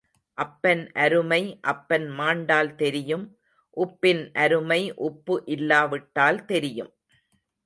அப்பன் அருமை அப்பன் மாண்டால் தெரியும் உப்பின் அருமை உப்பு இல்லா விட்டால் தெரியும்.